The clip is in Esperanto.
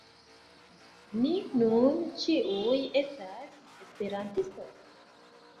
Ni nun ĉiuj estas esperantistoj!